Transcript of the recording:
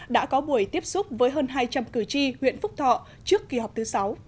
đã có buổi tiếp xúc với hơn hai trăm linh cử tri huyện phúc thọ trước kỳ họp thứ sáu